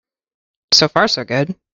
So far so good.